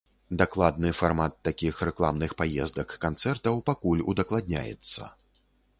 Дакладны фармат такіх рэкламных паездак-канцэртаў пакуль удакладняецца.